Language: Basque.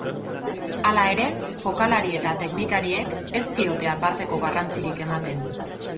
Hala ere, jokalari eta teknikariek ez diote aparteko garrantzirik ematen.